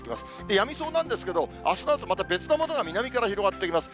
やみそうなんですが、あすの朝、また別のものが南から広がってきます。